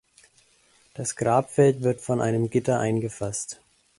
Das Grabfeld wird von einem Gitter eingefasst.